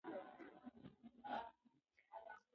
د ژوند بریا د زړورتیا او صبر پایله ده.